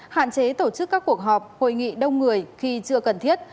hạn chế tổ chức các cuộc họp hội nghị đông người khi chưa cần thiết